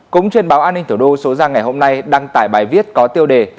cũng trên báo an ninh tổ đô số ra ngày hôm nay đăng tải bài viết có tiêu đề